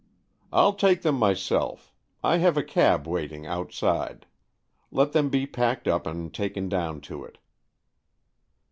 " ril take them myself. I have a cab waiting outside. Let them be packed up and taken down to it."